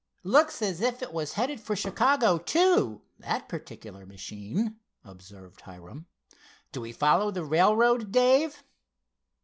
"Looks as if it was headed for Chicago, too; that particular machine," observed Hiram. "Do we follow the railroad, Dave?"